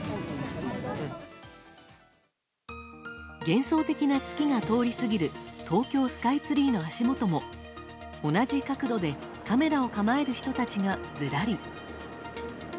幻想的な月が通り過ぎる東京スカイツリーの足元も同じ角度でカメラを構える人たちがずらり。